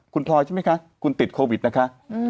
คุณพลอยใช่ไหมคะคุณติดโควิดนะคะ